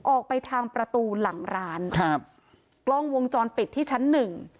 ออกไปทางประตูหลังร้านครับกล้องวงจรปิดที่ชั้นหนึ่ง